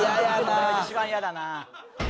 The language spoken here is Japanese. これ一番やだな。